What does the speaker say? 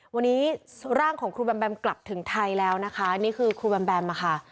วันนี้ร่างของครูแบมแบมกลับถึงไทยแล้วนะคะนี่คือครูแบมแบมค่ะ